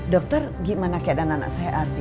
dokter gimana keadaan anak saya arti